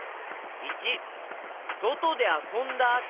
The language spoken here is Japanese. ①そとであそんだあと。